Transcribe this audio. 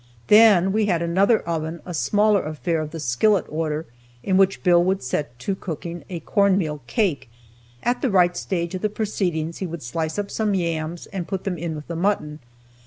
Then we had another oven, a smaller affair of the skillet order, in which Bill would set to cooking a corn meal cake. At the right stage of the proceedings he would slice up some yams, and put them in with the mutton.